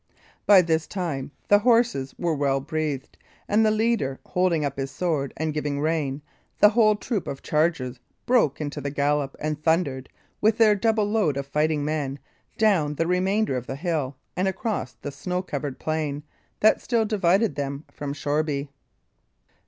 By this time the horses were well breathed, and the leader holding up his sword and giving rein, the whole troop of chargers broke into the gallop and thundered, with their double load of fighting men, down the remainder of the hill and across the snow covered plain that still divided them from Shoreby.